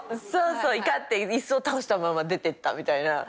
そう怒って椅子を倒したまま出てったみたいな。